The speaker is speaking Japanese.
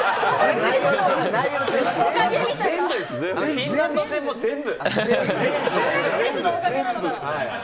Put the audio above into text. フィンランド戦も全部。